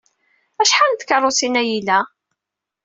Acḥal n tkeṛṛusin ay ila?